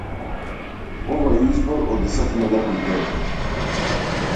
Ова е избор од десетина негови дела.